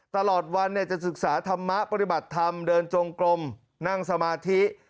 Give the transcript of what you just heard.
ตลอดวันจะศึกษาธรรมะปฏิบัติธรรมเดินจงกลมนั่งสมาธิ